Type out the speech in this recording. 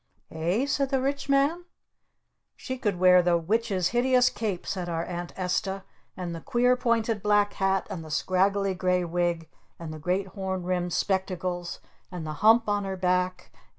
"Eh?" said the Rich Man. "She could wear the Witch's hideous cape!" said our Aunt Esta. "And the queer pointed black hat! And the scraggly gray wig! And the great horn rimmed spectacles! And the hump on her back!